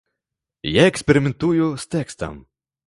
Я эксперыментую з тэкстам.